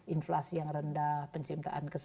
inflasi yang rendah penciptaan